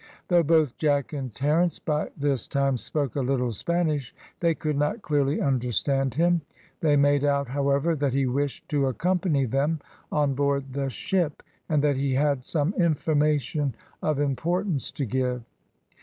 Though both Jack and Terence by this time spoke a little Spanish, they could not clearly understand him; they made out, however, that he wished to accompany them on board the ship, and that he had some information of importance to give.